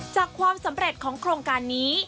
ความสำเร็จของโครงการนี้